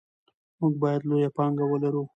موږ باید لویه پانګه ولرو.